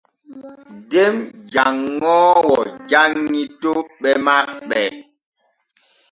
Den janŋoowo janŋi toɓɓe maɓɓe.